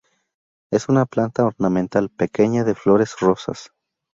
Es una planta ornamental, pequeña, de flores rosas.